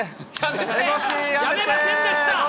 やめませんでした。